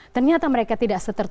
ternyata mereka tidak setertung